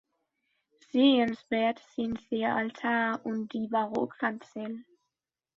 Sehenswert sind der Altar und die Barockkanzel.